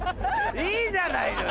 いいじゃないのよ